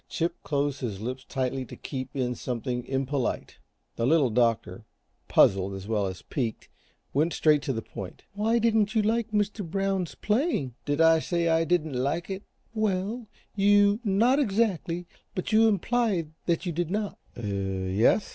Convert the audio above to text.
Chip closed his lips tightly to keep in something impolite. The Little Doctor, puzzled as well as piqued, went straight to the point. "Why didn't you like Mr. Brown's playing?" "Did I say I didn't like it?" "Well, you not exactly, but you implied that you did not." "Y e s?"